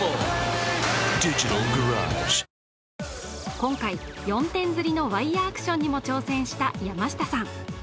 今回、４点釣りのワイヤーアクションにも挑戦した山下さん。